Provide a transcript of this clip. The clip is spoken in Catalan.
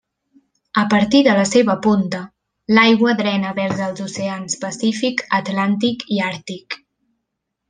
A partir de la seva punta l'aigua drena vers els oceans Pacífic, Atlàntic i Àrtic.